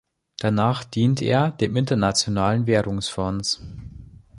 Danach diente er dem Internationalen Währungsfonds.